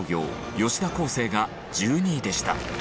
吉田輝星が１２位でした。